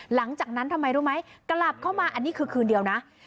หลังจากนั้นทำไมรู้ไหมกลับเข้ามาอันนี้คือคืนเดียวนะ